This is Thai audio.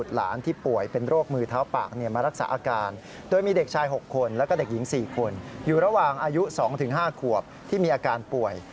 หรือถึง๕ขวบที่มีอาการป่วย